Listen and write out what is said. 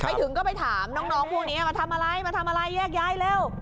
ไปถึงก็ไปถามน้องพวกนี้มาทำอะไรมาทำอะไรแยกย้ายเร็ว